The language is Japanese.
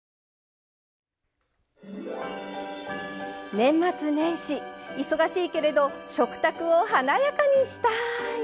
年末年始、忙しいけれど食卓を華やかにしたーい！